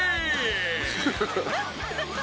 「ハハハハッ」